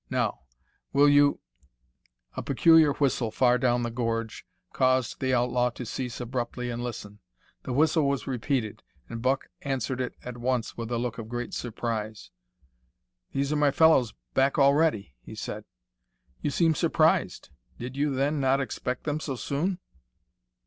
Now, will you " A peculiar whistle far down the gorge caused the outlaw to cease abruptly and listen. The whistle was repeated, and Buck answered it at once with a look of great surprise. "These are my fellows back already!" he said. "You seem surprised. Did you, then, not expect them so soon?"